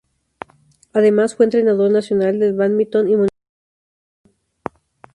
Además fue entrenador nacional de bádminton y monitor de atletismo.